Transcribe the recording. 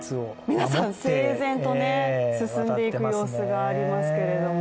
皆さん、整然と進んでいく様子がありますけれども。